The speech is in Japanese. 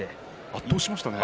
圧倒しましたね。